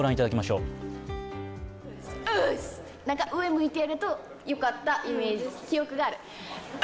上向いてやるとよかったイメージ、記憶がある。